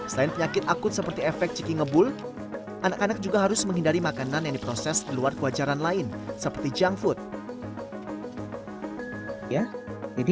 selain penyakit akut seperti efek ciki ngebul anak anak juga harus menghindari makanan yang diproses di luar kewajaran lain seperti junk food